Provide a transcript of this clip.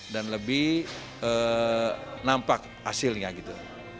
dan lebih nampak hasilnya gitu